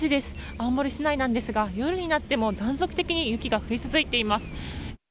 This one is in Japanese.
青森市内なんですが夜になっても断続的に雪が降り続いています。